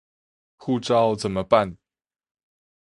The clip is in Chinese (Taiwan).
護照怎麼辦